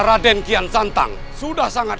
raden kian santang sudah sangat